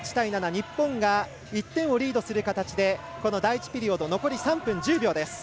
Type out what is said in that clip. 日本が１点をリードする形で第１ピリオド残り３分１０秒。